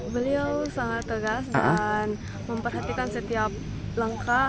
beliau sangat tegas dan memperhatikan setiap langkah